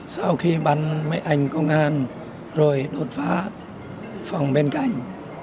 sau khi bắn mấy anh công an rồi đột phá phòng bên cạnh